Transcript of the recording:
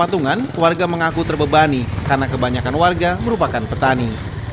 patungan warga mengaku terbebani karena kebanyakan warga merupakan petani